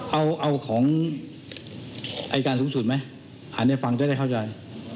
เอาอีกเอาของไอ้กาลสูงสุดไหมอ่านให้ฟังจะได้เข้าใจ